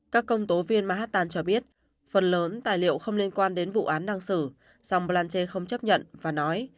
các công tố viên mahatan cho biết phần lớn tài liệu không liên quan đến vụ án đang xử song blanche không chấp nhận và nói